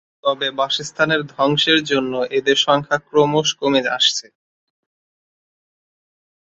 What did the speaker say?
তবে বাসস্থানের ধ্বংসের জন্য এদের সংখ্যা ক্রমশ কমে আসছে।